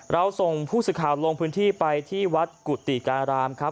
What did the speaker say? เราส่งผู้สื่อข่าวลงพื้นที่ไปที่วัดกุฏิการามครับ